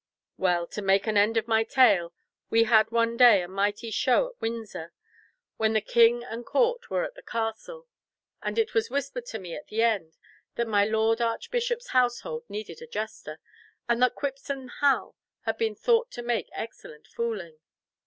Well, to make an end of my tale, we had one day a mighty show at Windsor, when the King and Court were at the castle, and it was whispered to me at the end that my Lord Archbishop's household needed a jester, and that Quipsome Hal had been thought to make excellent fooling.